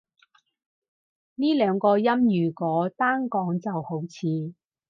呢兩個音如果單講就好似